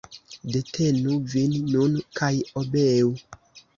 Detenu vin nun kaj obeu.